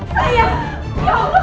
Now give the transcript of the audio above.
saya baik banget iri